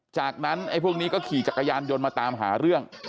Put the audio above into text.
จากนั้นไอ้พวกนี้ก็ขี่จักรยานยนต์มาตามหาเรื่อง